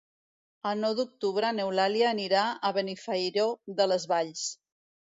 El nou d'octubre n'Eulàlia anirà a Benifairó de les Valls.